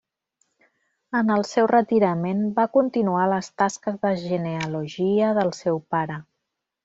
En el seu retirament va continuar les tasques de genealogia del seu pare.